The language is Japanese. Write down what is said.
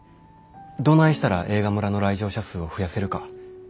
どないしたら映画村の来場者数を増やせるか。